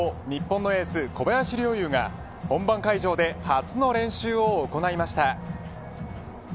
日本のエース小林陵侑が本番会場で初の練習を行いました。